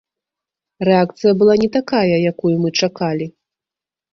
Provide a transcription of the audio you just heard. Рэакцыя была не такая, якую мы чакалі.